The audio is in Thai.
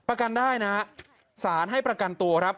ประกันได้นะสารให้ประกันตัวครับ